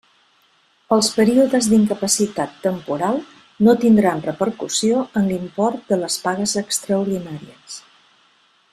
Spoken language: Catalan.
Els períodes d'incapacitat temporal no tindran repercussió en l'import de les pagues extraordinàries.